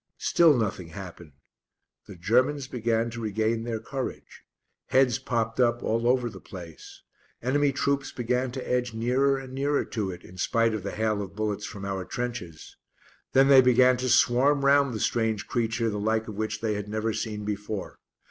Still nothing happened. The Germans began to regain their courage. Heads popped up all over the place. Enemy troops began to edge nearer and nearer to it, in spite of the hail of bullets from our trenches. Then they began to swarm round the strange creature the like of which they had never seen before.